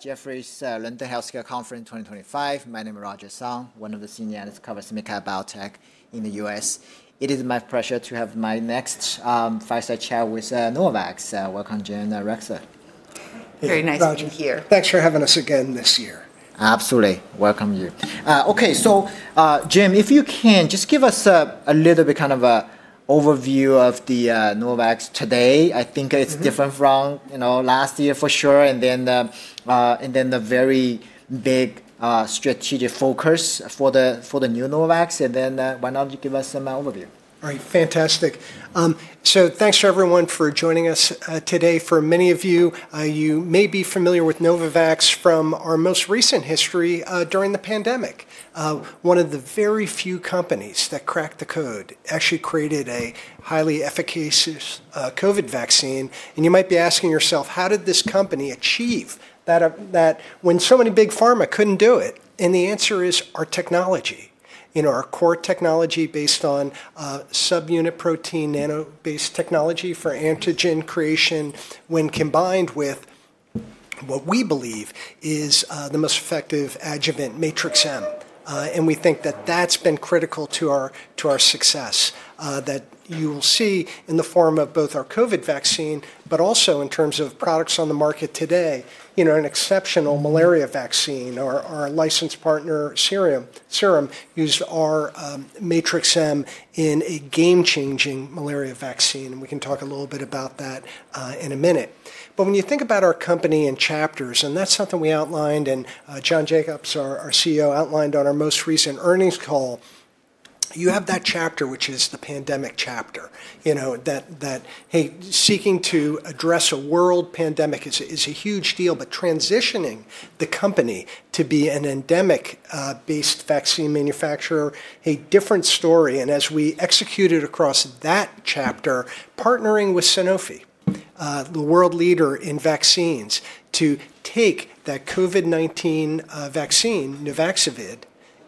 Jefferies London Healthcare Conference 2025. My name is Roger Song, one of the senior analysts covering SMID-cap Biotech in the U.S. It is my pleasure to have my next fireside chat with Novavax. Welcome, Jim, Ruxa. Very nice to be here. Thanks for having us again this year. Absolutely. Welcome you. Okay, so Jim, if you can, just give us a little bit kind of an overview of the Novavax today. I think it's different from last year for sure. The very big strategic focus for the new Novavax. Why don't you give us an overview? All right, fantastic. Thanks for everyone for joining us today. For many of you, you may be familiar with Novavax from our most recent history during the pandemic. One of the very few companies that cracked the code actually created a highly efficacious COVID-19 vaccine. You might be asking yourself, how did this company achieve that when so many big pharma couldn't do it? The answer is our technology, our core technology based on subunit protein nanoparticle technology for antigen creation, when combined with what we believe is the most effective adjuvant, Matrix-M. We think that that's been critical to our success, that you will see in the form of both our COVID-19 vaccine, but also in terms of products on the market today, an exceptional malaria vaccine. Our licensed partner, Serum Institute of India, used our Matrix-M in a game-changing malaria vaccine. We can talk a little bit about that in a minute. When you think about our company and chapters, and that's something we outlined, and John Jacobs, our CEO, outlined on our most recent earnings call, you have that chapter, which is the pandemic chapter, that seeking to address a world pandemic is a huge deal. Transitioning the company to be an endemic-based vaccine manufacturer, a different story. As we executed across that chapter, partnering with Sanofi, the world leader in vaccines, to take that COVID-19 vaccine, NUVAXOVID,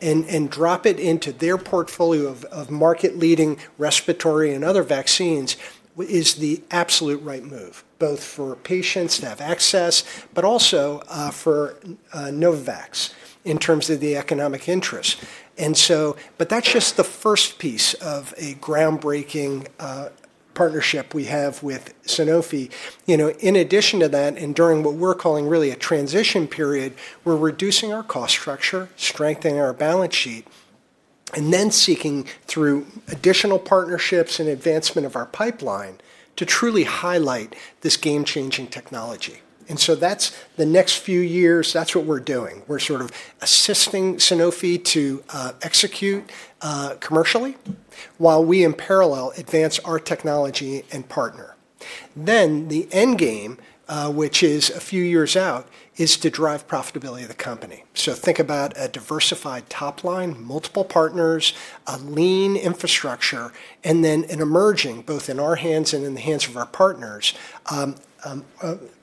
and drop it into their portfolio of market-leading respiratory and other vaccines is the absolute right move, both for patients to have access, but also for Novavax in terms of the economic interest. That is just the first piece of a groundbreaking partnership we have with Sanofi. In addition to that, and during what we're calling really a transition period, we're reducing our cost structure, strengthening our balance sheet, and then seeking through additional partnerships and advancement of our pipeline to truly highlight this game-changing technology. That is the next few years. That is what we're doing. We're sort of assisting Sanofi to execute commercially while we in parallel advance our technology and partner. The end game, which is a few years out, is to drive profitability of the company. Think about a diversified top line, multiple partners, a lean infrastructure, and then an emerging, both in our hands and in the hands of our partners,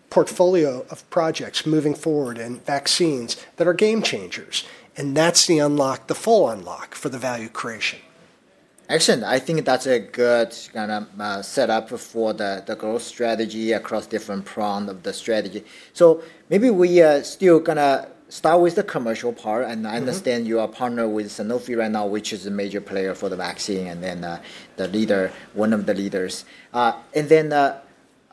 portfolio of projects moving forward and vaccines that are game changers. That is the unlock, the full unlock for the value creation. Excellent. I think that's a good kind of setup for the growth strategy across different prongs of the strategy. Maybe we are still going to start with the commercial part. I understand you are partnered with Sanofi right now, which is a major player for the vaccine and then the leader, one of the leaders.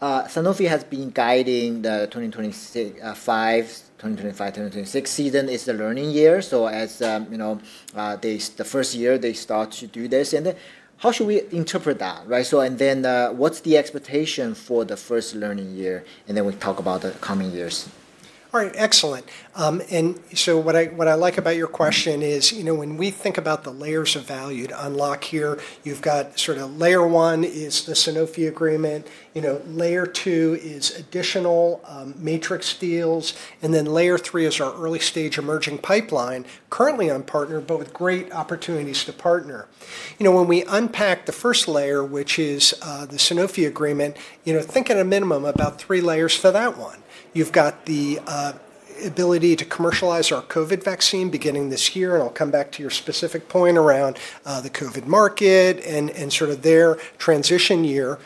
Sanofi has been guiding the 2025-2026 season. It's the learning year. As the first year they start to do this, how should we interpret that? What's the expectation for the first learning year? Then we talk about the coming years. All right, excellent. What I like about your question is when we think about the layers of value to unlock here, you've got sort of layer one is the Sanofi agreement. Layer two is additional Matrix deals. Layer three is our early stage emerging pipeline, currently unpartnered, but with great opportunities to partner. When we unpack the first layer, which is the Sanofi agreement, think at a minimum about three layers for that one. You've got the ability to commercialize our COVID-19 vaccine beginning this year. I'll come back to your specific point around the COVID market and sort of their transition year.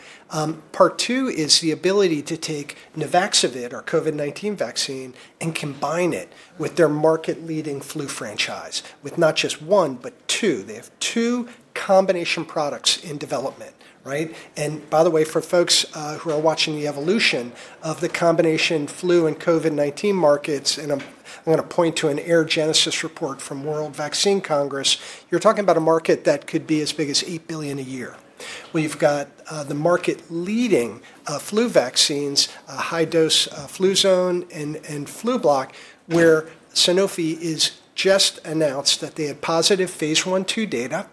Part two is the ability to take NUVAXOVID, our COVID-19 vaccine, and combine it with their market-leading flu franchise with not just one, but two. They have two combination products in development. By the way, for folks who are watching the evolution of the combination flu and COVID-19 markets, and I'm going to point to an Air Genesis report from World Vaccine Congress, you're talking about a market that could be as big as $8 billion a year. We've got the market-leading flu vaccines, high-dose Fluzone and Flublok, where Sanofi has just announced that they have positive phase I, II data,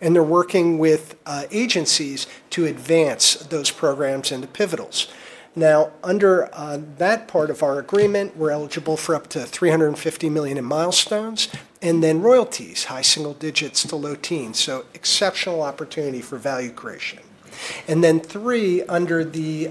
and they're working with agencies to advance those programs and the pivotals. Now, under that part of our agreement, we're eligible for up to $350 million in milestones and then royalties, high single digits to low teens. Exceptional opportunity for value creation. Three, under the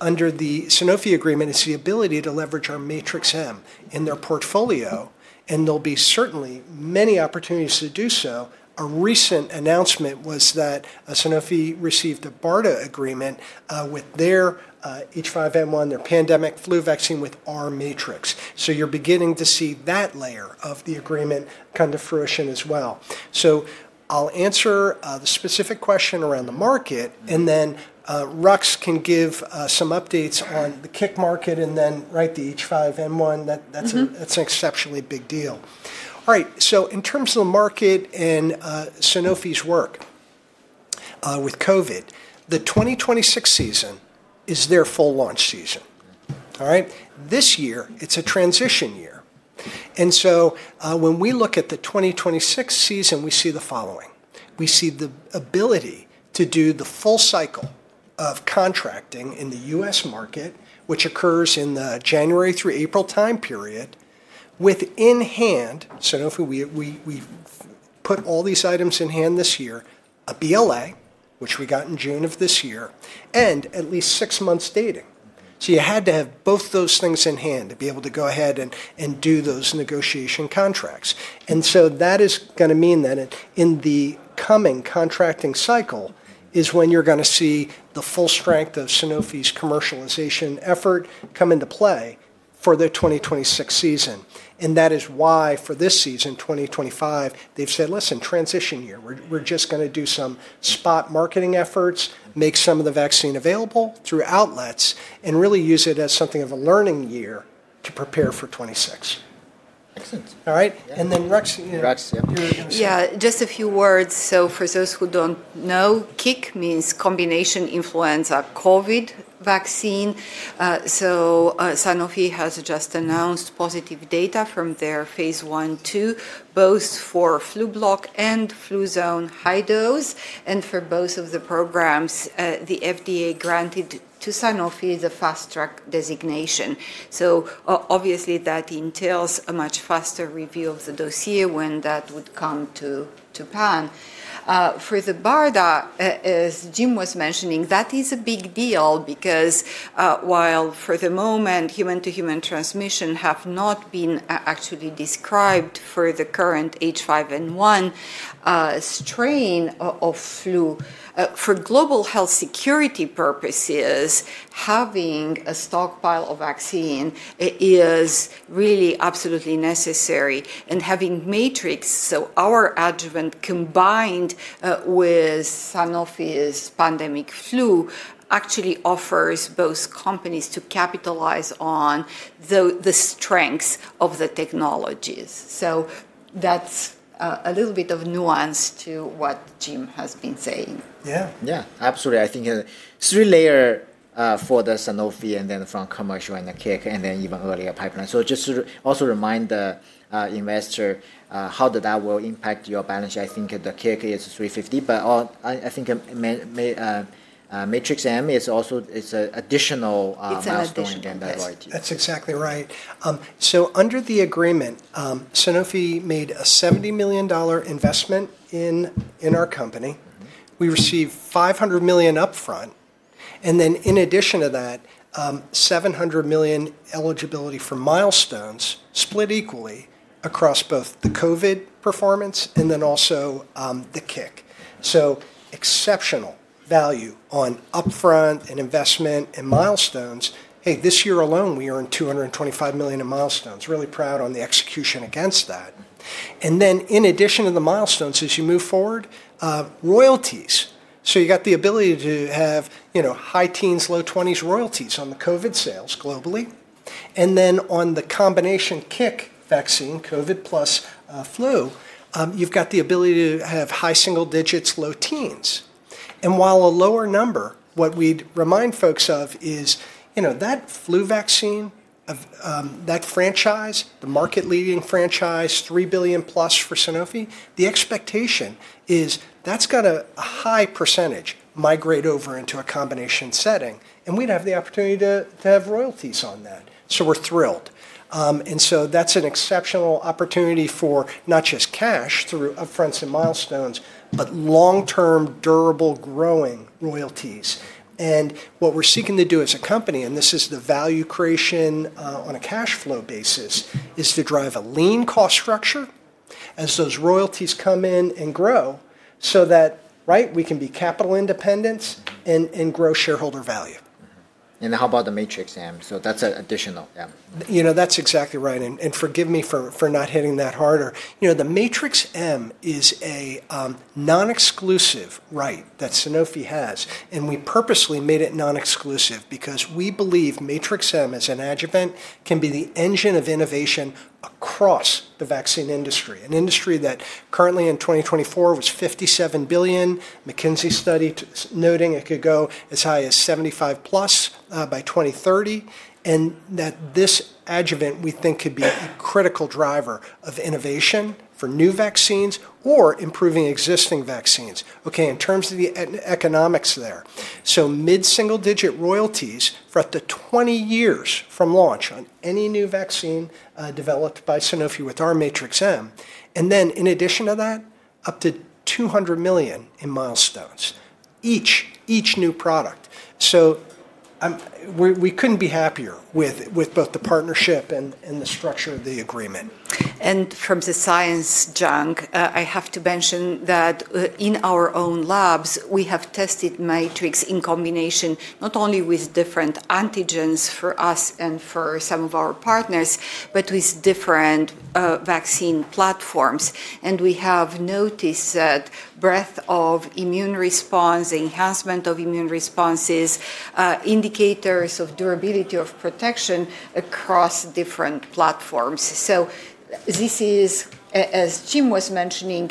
Sanofi agreement, is the ability to leverage our Matrix-M in their portfolio. There will be certainly many opportunities to do so. A recent announcement was that Sanofi received a BARDA agreement with their H5N1, their pandemic flu vaccine with our Matrix. You're beginning to see that layer of the agreement come to fruition as well. I'll answer the specific question around the market, and then Rux can give some updates on the CIC market and then the H5N1. That's an exceptionally big deal. In terms of the market and Sanofi's work with COVID, the 2026 season is their full launch season. This year, it's a transition year. When we look at the 2026 season, we see the following. We see the ability to do the full cycle of contracting in the U.S. market, which occurs in the January through April time period, with in hand, Sanofi, we put all these items in hand this year, a BLA, which we got in June of this year, and at least six months dating. You had to have both those things in hand to be able to go ahead and do those negotiation contracts. That is going to mean that in the coming contracting cycle is when you're going to see the full strength of Sanofi's commercialization effort come into play for the 2026 season. That is why for this season, 2025, they've said, listen, transition year, we're just going to do some spot marketing efforts, make some of the vaccine available through outlets, and really use it as something of a learning year to prepare for 2026. Excellent. All right. Rux. Rux, yeah. Yeah, just a few words. For those who don't know, CIC means combination influenza COVID vaccine. Sanofi has just announced positive data from their phase one two, both for Flublok and Fluzone high dose. For both of the programs, the FDA granted to Sanofi the fast track designation. That entails a much faster review of the dossier when that would come to plan. For the BARDA, as Jim was mentioning, that is a big deal because while for the moment human-to-human transmission have not been actually described for the current H5N1 strain of flu, for global health security purposes, having a stockpile of vaccine is really absolutely necessary. Having Matrix, so our adjuvant combined with Sanofi's pandemic flu, actually offers both companies to capitalize on the strengths of the technologies. That's a little bit of nuance to what Jim has been saying. Yeah, yeah, absolutely. I think three layer for the Sanofi and then from commercial and the CIC and then even earlier pipeline. Just to also remind the investor how that will impact your balance sheet. I think the CIC is $350, but I think Matrix-M is also an additional. That's exactly right. That's exactly right. Under the agreement, Sanofi made a $70 million investment in our company. We received $500 million upfront. In addition to that, $700 million eligibility for milestones split equally across both the COVID performance and also the combination. Exceptional value on upfront and investment and milestones. This year alone, we earned $225 million in milestones. Really proud on the execution against that. In addition to the milestones, as you move forward, royalties. You have the ability to have high teens, low 20s royalties on the COVID sales globally. On the combination vaccine, COVID plus flu, you have the ability to have high single digits, low teens. While a lower number, what we'd remind folks of is that flu vaccine, that franchise, the market-leading franchise, $3 billion plus for Sanofi, the expectation is that's got a high percentage migrate over into a combination setting. We'd have the opportunity to have royalties on that. We're thrilled. That's an exceptional opportunity for not just cash through upfronts and milestones, but long-term durable growing royalties. What we're seeking to do as a company, and this is the value creation on a cash flow basis, is to drive a lean cost structure as those royalties come in and grow so that we can be capital independence and grow shareholder value. How about the Matrix-M? That's an additional M. That's exactly right. Forgive me for not hitting that harder. The Matrix-M is a non-exclusive right that Sanofi has. We purposely made it non-exclusive because we believe Matrix-M as an adjuvant can be the engine of innovation across the vaccine industry. An industry that currently in 2024 was $57 billion. McKinsey study noting it could go as high as $75+ billion by 2030. This adjuvant we think could be a critical driver of innovation for new vaccines or improving existing vaccines. Okay, in terms of the economics there, mid-single digit royalties for up to 20 years from launch on any new vaccine developed by Sanofi with our Matrix-M. In addition to that, up to $200 million in milestones each new product. We couldn't be happier with both the partnership and the structure of the agreement. In terms of science, Jung, I have to mention that in our own labs, we have tested Matrix-M in combination not only with different antigens for us and for some of our partners, but with different vaccine platforms. We have noticed that breadth of immune response, enhancement of immune responses, indicators of durability of protection across different platforms. This is, as Jim was mentioning,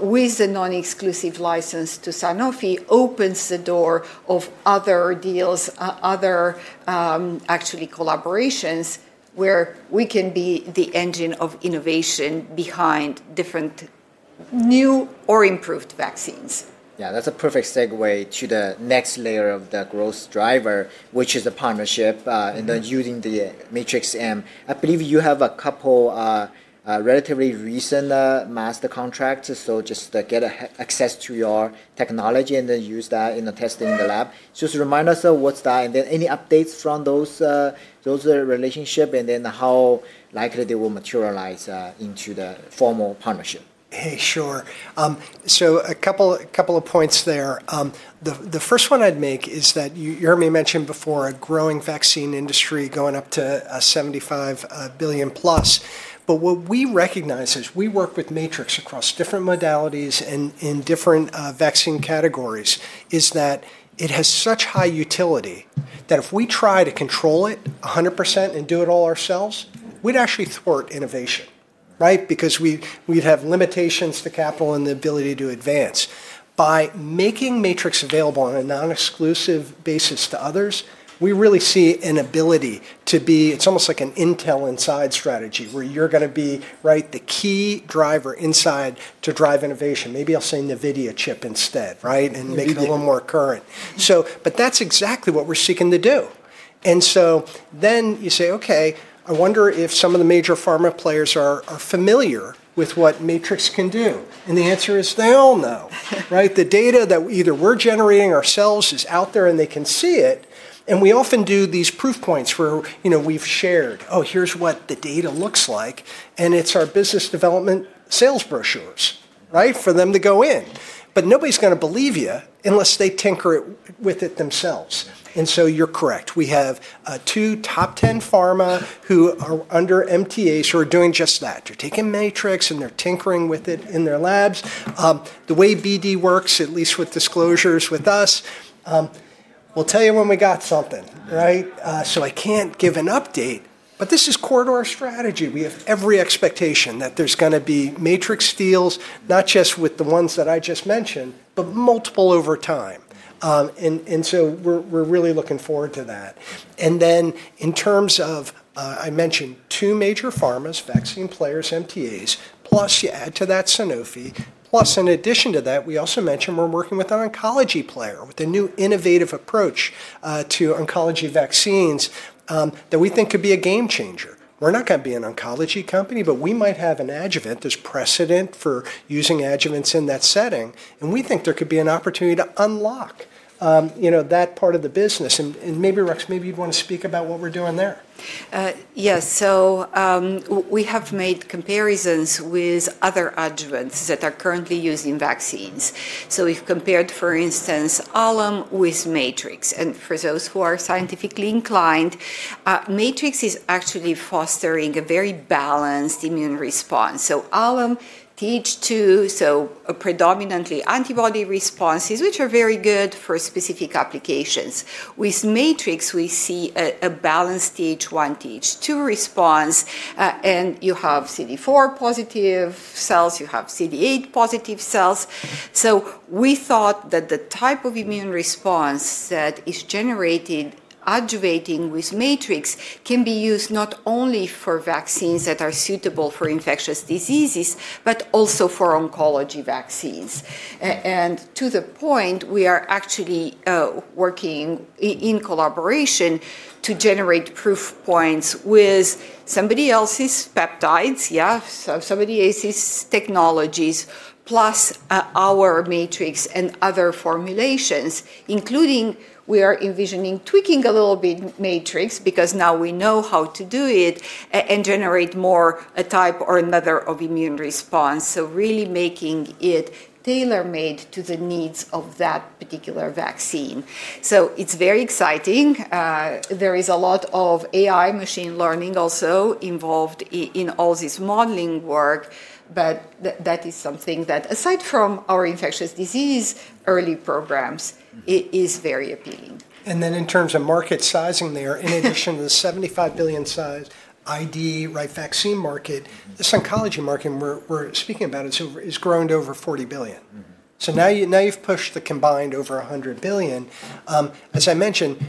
with the non-exclusive license to Sanofi, opens the door of other deals, other actually collaborations where we can be the engine of innovation behind different new or improved vaccines. Yeah, that's a perfect segue to the next layer of the growth driver, which is the partnership and then using the Matrix-M. I believe you have a couple of relatively recent master contracts. Just to get access to your technology and then use that in the testing in the lab. Just remind us of what's that and then any updates from those relationships and then how likely they will materialize into the formal partnership. Hey, sure. A couple of points there. The first one I'd make is that you heard me mention before a growing vaccine industry going up to $75+ billion. What we recognize as we work with Matrix-M across different modalities and in different vaccine categories is that it has such high utility that if we try to control it 100% and do it all ourselves, we'd actually thwart innovation, right? Because we'd have limitations to capital and the ability to advance. By making Matrix-M available on a non-exclusive basis to others, we really see an ability to be, it's almost like an Intel inside strategy where you're going to be the key driver inside to drive innovation. Maybe I'll say Nvidia chip instead, right? Make it a little more current. That's exactly what we're seeking to do. You say, okay, I wonder if some of the major pharma players are familiar with what Matrix can do. The answer is they all know, right? The data that either we're generating ourselves is out there and they can see it. We often do these proof points where we've shared, oh, here's what the data looks like. It's our business development sales brochures, right? For them to go in. Nobody's going to believe you unless they tinker with it themselves. You're correct. We have two top 10 pharma who are under MTAs who are doing just that. They're taking Matrix and they're tinkering with it in their labs. The way BD works, at least with disclosures with us, we'll tell you when we got something, right? I can't give an update, but this is corridor strategy. We have every expectation that there's going to be Matrix deals, not just with the ones that I just mentioned, but multiple over time. We are really looking forward to that. In terms of, I mentioned two major pharmas, vaccine players, MTAs, plus you add to that Sanofi, plus in addition to that, we also mentioned we're working with an oncology player with a new innovative approach to oncology vaccines that we think could be a game changer. We are not going to be an oncology company, but we might have an adjuvant as precedent for using adjuvants in that setting. We think there could be an opportunity to unlock that part of the business. Maybe Rux, maybe you'd want to speak about what we're doing there. Yes, so we have made comparisons with other adjuvants that are currently used in vaccines. We have compared, for instance, Alum with Matrix. For those who are scientifically inclined, Matrix is actually fostering a very balanced immune response. Alum, TH2, so predominantly antibody responses, which are very good for specific applications. With Matrix, we see a balanced TH1, TH2 response. You have CD4 positive cells, you have CD8 positive cells. We thought that the type of immune response that is generated adjuvating with Matrix can be used not only for vaccines that are suitable for infectious diseases, but also for oncology vaccines. To the point, we are actually working in collaboration to generate proof points with somebody else's peptides, yeah, somebody else's technologies, plus our Matrix and other formulations, including we are envisioning tweaking a little bit Matrix because now we know how to do it and generate more a type or another of immune response. Really making it tailor-made to the needs of that particular vaccine. It is very exciting. There is a lot of AI machine learning also involved in all this modeling work, but that is something that aside from our infectious disease early programs, it is very appealing. In terms of market sizing there, in addition to the $75 billion size ID, right, vaccine market, this oncology market we're speaking about, it has grown to over $40 billion. Now you've pushed the combined over $100 billion. As I mentioned,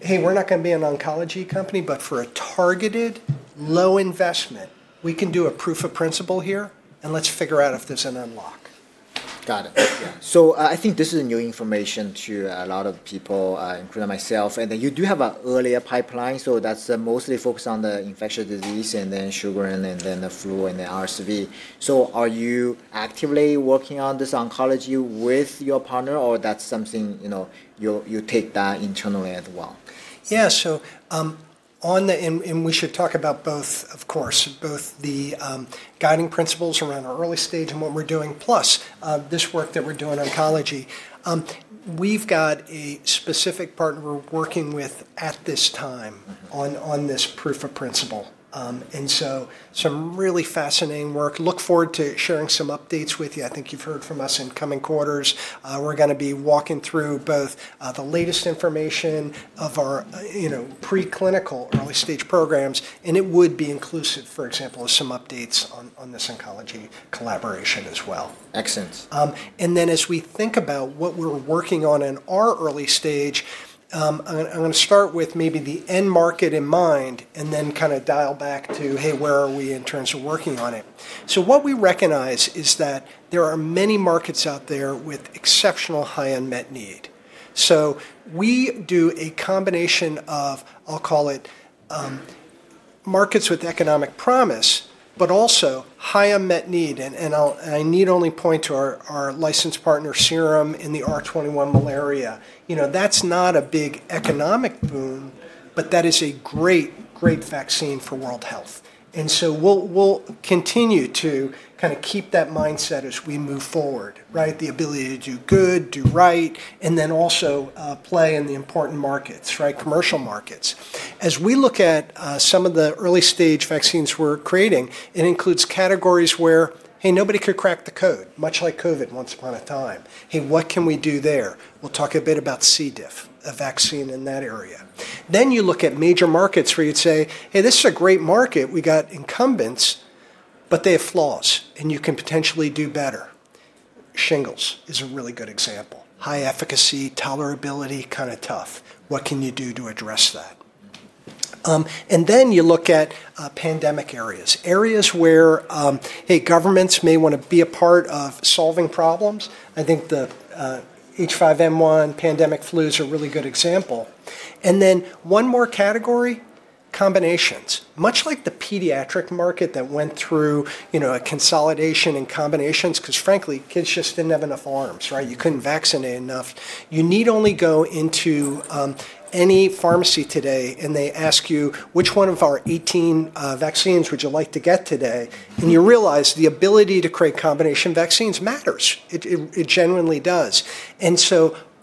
hey, we're not going to be an oncology company, but for a targeted low investment, we can do a proof of principle here and let's figure out if there's an unlock. Got it. Yeah. I think this is new information to a lot of people, including myself. You do have an earlier pipeline. That is mostly focused on the infectious disease and then sugar and then the flu and the RSV. Are you actively working on this oncology with your partner or is that something you take internally as well? Yeah, on the, and we should talk about both, of course, both the guiding principles around early stage and what we're doing, plus this work that we're doing in oncology. We've got a specific partner we're working with at this time on this proof of principle. Some really fascinating work. Look forward to sharing some updates with you. I think you've heard from us in coming quarters. We're going to be walking through both the latest information of our preclinical early stage programs. It would be inclusive, for example, of some updates on this oncology collaboration as well. Excellent. As we think about what we're working on in our early stage, I'm going to start with maybe the end market in mind and then kind of dial back to, hey, where are we in terms of working on it? What we recognize is that there are many markets out there with exceptional high unmet need. We do a combination of, I'll call it markets with economic promise, but also high unmet need. I need only point to our licensed partner Serum in the R21 malaria. That's not a big economic boom, but that is a great, great vaccine for world health. We will continue to kind of keep that mindset as we move forward, right? The ability to do good, do right, and then also play in the important markets, right? Commercial markets. As we look at some of the early stage vaccines we're creating, it includes categories where, hey, nobody could crack the code, much like COVID once upon a time. Hey, what can we do there? We'll talk a bit about C. diff, a vaccine in that area. Then you look at major markets where you'd say, hey, this is a great market. We got incumbents, but they have flaws and you can potentially do better. Shingles is a really good example. High efficacy, tolerability, kind of tough. What can you do to address that? Then you look at pandemic areas. Areas where, hey, governments may want to be a part of solving problems. I think the H5N1 pandemic flu is a really good example. Then one more category, combinations. Much like the pediatric market that went through a consolidation and combinations, because frankly, kids just didn't have enough arms, right? You couldn't vaccinate enough. You need only go into any pharmacy today and they ask you, which one of our 18 vaccines would you like to get today? You realize the ability to create combination vaccines matters. It genuinely does.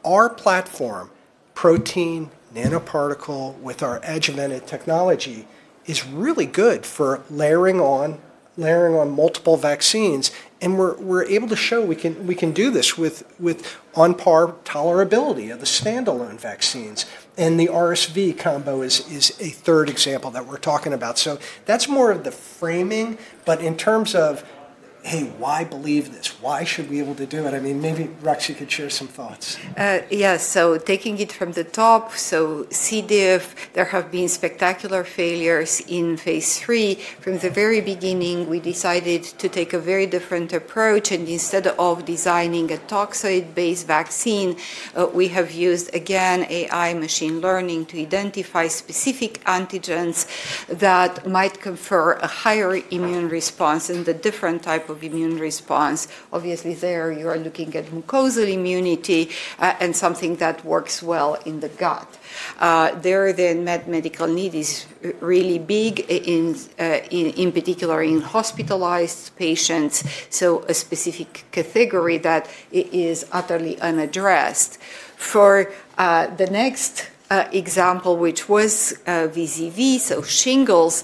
Our platform, protein nanoparticle with our adjuvanted technology, is really good for layering on multiple vaccines. We're able to show we can do this with on par tolerability of the standalone vaccines. The RSV combo is a third example that we're talking about. That's more of the framing, but in terms of, hey, why believe this? Why should we be able to do it? I mean, maybe Rux, you could share some thoughts. Yeah, so taking it from the top, so C. diff, there have been spectacular failures in phase three. From the very beginning, we decided to take a very different approach. Instead of designing a toxoid-based vaccine, we have used again AI machine learning to identify specific antigens that might confer a higher immune response and a different type of immune response. Obviously, there you are looking at mucosal immunity and something that works well in the gut. There, the unmet medical need is really big, in particular in hospitalized patients. A specific category that is utterly unaddressed. For the next example, which was VZV, so shingles,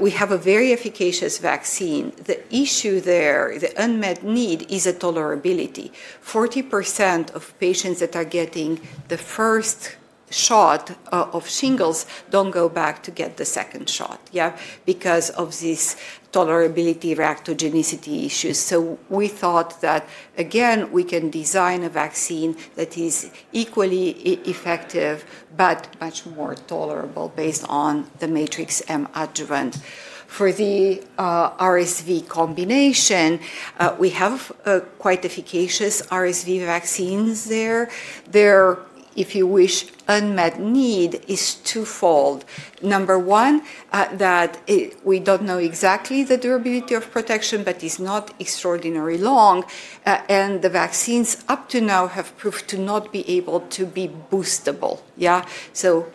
we have a very efficacious vaccine. The issue there, the unmet need is tolerability. 40% of patients that are getting the first shot of shingles do not go back to get the second shot, yeah, because of this tolerability reactogenicity issues. We thought that again, we can design a vaccine that is equally effective, but much more tolerable based on the Matrix-M adjuvant. For the RSV combination, we have quite efficacious RSV vaccines there. There, if you wish, unmet need is twofold. Number one, that we do not know exactly the durability of protection, but it is not extraordinarily long. And the vaccines up to now have proved to not be able to be boostable, yeah?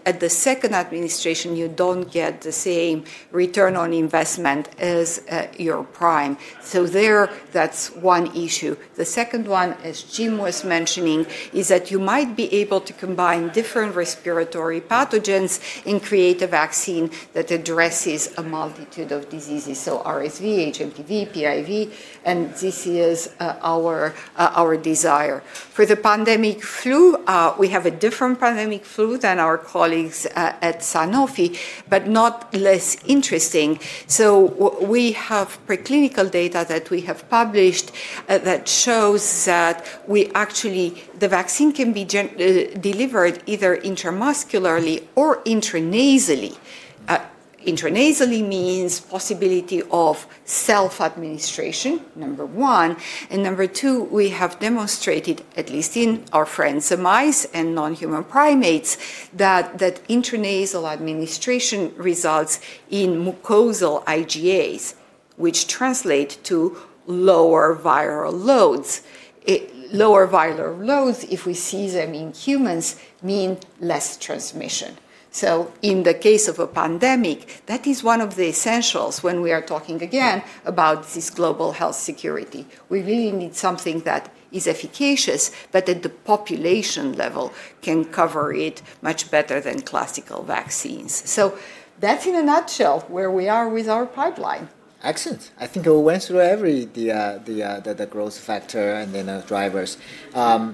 At the second administration, you do not get the same return on investment as your prime. That is one issue. The second one, as Jim was mentioning, is that you might be able to combine different respiratory pathogens and create a vaccine that addresses a multitude of diseases. RSV, HMPV, PIV, and this is our desire. For the pandemic flu, we have a different pandemic flu than our colleagues at Sanofi, but not less interesting. We have preclinical data that we have published that shows that we actually, the vaccine can be delivered either intramuscularly or intranasally. Intranasally means possibility of self-administration, number one. Number two, we have demonstrated, at least in our friends the mice and non-human primates, that intranasal administration results in mucosal IgAs, which translate to lower viral loads. Lower viral loads, if we see them in humans, mean less transmission. In the case of a pandemic, that is one of the essentials when we are talking again about this global health security. We really need something that is efficacious, but at the population level can cover it much better than classical vaccines. That is in a nutshell where we are with our pipeline. Excellent. I think we went through every growth factor and then drivers. I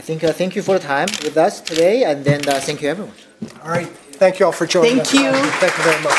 think thank you for the time with us today. Thank you everyone. All right. Thank you all for joining us. Thank you. Thank you very much.